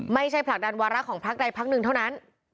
ผลักดันวาระของพักใดพักหนึ่งเท่านั้น